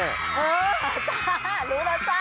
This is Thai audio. เออจ้ารู้แล้วจ้า